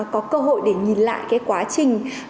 có cơ hội để nhìn lại cái quá trình